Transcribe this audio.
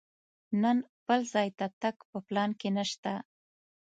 نن بل ځای ته تګ په پلان کې نه شته.